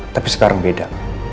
tapi sekarang beda